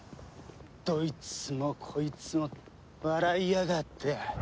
どいつもこいつも笑いやがって。